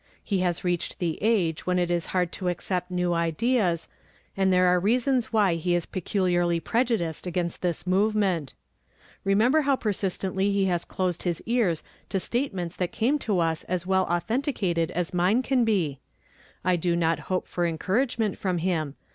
He has reached the age when it is hard to accept new ideas, and there are reasons why he is peculiarly prejudiced against this movement. Rememher how persistently he has closed his ears to statements that came to us as well authenticated as mine can he. I do not hope for encouragement from him.